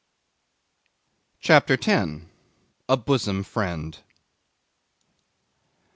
CHAPTER 10. A Bosom Friend.